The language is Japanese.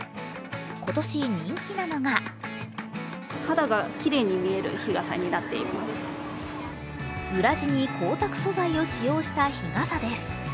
今年、人気なのが裏地に光沢素材を使用した日傘です。